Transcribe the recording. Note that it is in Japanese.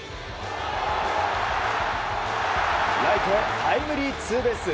ライトへタイムリーツーベース！